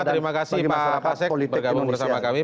terima kasih pak pasek bergabung bersama kami